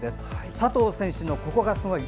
佐藤選手のココがすごい！